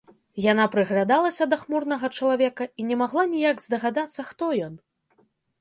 Яна прыглядалася да хмурнага чалавека і не магла ніяк здагадацца, хто ён.